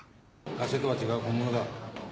ガセとは違う本物だ。